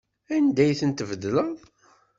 Anda ay ten-tbeddleḍ?